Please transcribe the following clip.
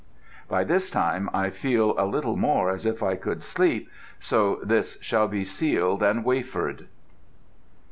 By this time, I feel a little more as if I could sleep, so this shall be sealed and wafered.